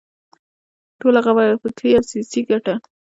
ټوله هغه فکري او سیاسي ګټه.